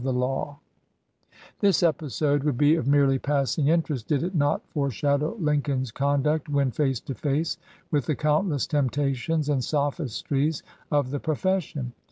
54 THE LAW STUDENT This episode would be of merely passing inter est did it not foreshadow Lincoln's conduct when face to face with the countless temptations and sophistries of the profession.